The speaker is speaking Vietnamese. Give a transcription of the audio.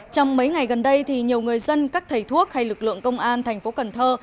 trong mấy ngày gần đây thì nhiều người dân các thầy thuốc hay lực lượng công an thành phố cần thơ